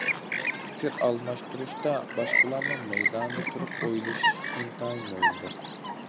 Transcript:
پىكىر ئالماشتۇرۇشتا باشقىلارنىڭ مەيدانىدا تۇرۇپ ئويلىشىش ئىنتايىن مۇھىمدۇر.